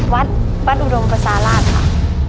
วัดวัดอุดมประชาราชค่ะ